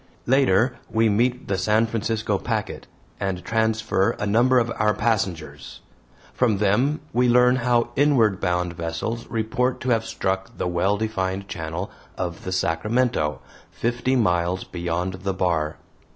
Later we meet the San Francisco packet, and transfer a number of our passengers. From them we learn how inward bound vessels report to have struck the well defined channel of the Sacramento, fifty miles beyond the bar.